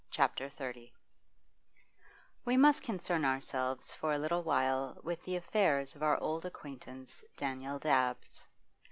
CHAPTER XXX We must concern ourselves for a little with the affairs of our old acquaintance, Daniel Dabbs.